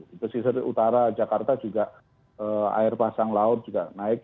di pesisir utara jakarta juga air pasang laut juga naik